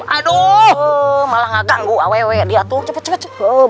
aduh malah nganggu aww dia tuh cepet cepet